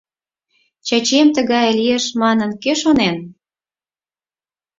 Чачием тыгае лиеш манын, кӧ шонен!..